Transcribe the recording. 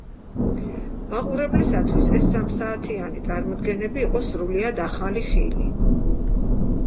მაყურებლისათვის ეს სამსაათიანი წარმოდგენები იყო სრულიად ახალი ხილი.